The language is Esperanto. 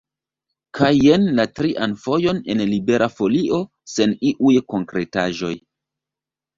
Kaj jen la trian fojon en Libera Folio sen iuj konkretaĵoj.